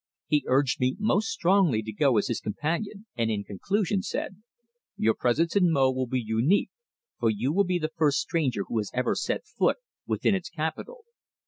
He urged me most strongly to go as his companion, and in conclusion said: "Your presence in Mo will be unique, for you will be the first stranger who has ever set foot within its capital."